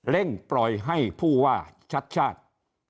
ปล่อยให้ผู้ว่าชัดชาติ